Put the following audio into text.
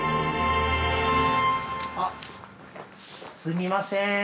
あっすみません。